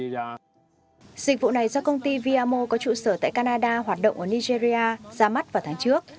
dịch vụ này do công ty viamo có trụ sở tại canada hoạt động ở nigeria ra mắt vào tháng trước